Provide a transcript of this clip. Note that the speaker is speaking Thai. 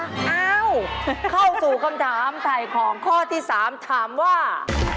เอ้าเข้าสู่คำถามถ่ายของข้อที่๓ถามว่า